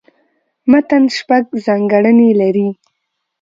متن شپږ ځانګړني لري.